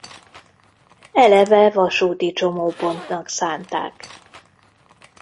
Eleve vasúti csomópontnak szánták.